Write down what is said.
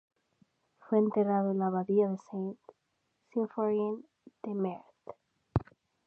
Fue enterrado en la Abadía de Saint-Symphorien de Metz.